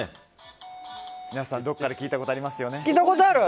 皆さん、どこかで聞いたことありますよね。